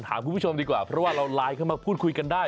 คุณผู้ชมดีกว่าเพราะว่าเราไลน์เข้ามาพูดคุยกันได้